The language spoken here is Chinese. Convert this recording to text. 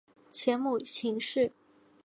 前母秦氏。